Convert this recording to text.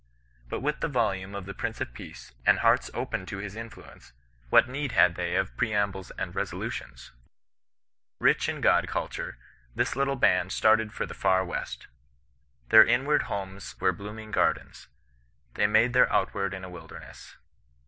But with the volume of the Prince of Peace, and hearts open to his influence, what need had they of preambles and resolutions ?" Rich in God culture, this little band started for the far west. Their inward homes were blooming gardens ; they made their outward in a wilderness.